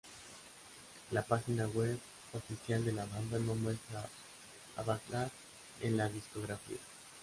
La página web oficial de la banda no muestra a "Baghdad" en la discografía.